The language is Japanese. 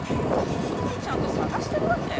本当にちゃんと探してるわけ？